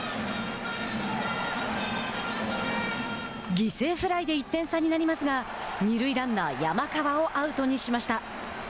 犠牲フライで１点差になりますが二塁ランナー山川をアウトにしました。